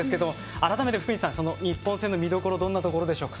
改めて、福西さん日本戦の見どころはどんなところでしょうか？